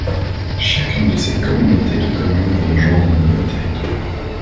Chacune de ces communautés de communes va rejoindre un nouveau territoire.